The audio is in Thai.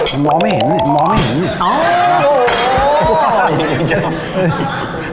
มันบอกไม่เห็นเนี่ยมันบอกไม่เห็นเนี่ยอ๋อ